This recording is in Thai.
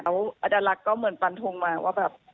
แล้วอดัลลักษณ์ก็เหมือนปันทงมาว่าแบบ